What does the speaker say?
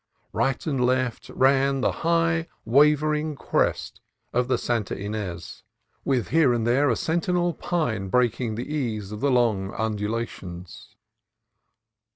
Right and left ran the high, wavering crest of the Santa Ynez, 96 CALIFORNIA COAST TRAILS with here and there a sentinel pine breaking the ease of the long undulations.